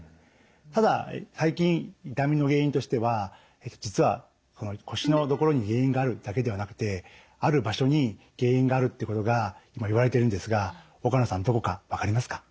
ただ最近痛みの原因としては実は腰の所に原因があるだけではなくてある場所に原因があるってことが今言われてるんですが岡野さんどこか分かりますか？